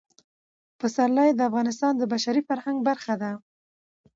پسرلی د افغانستان د بشري فرهنګ برخه ده.